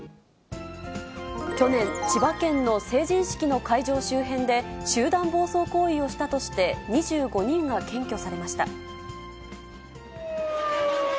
去年、千葉県の成人式の会場周辺で集団暴走行為をしたとして、２５人が検挙されました。